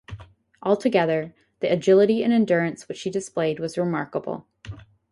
Altogether, the agility and endurance which he displayed was remarkable.